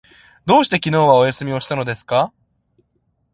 どうして昨日はお休みしたのですか？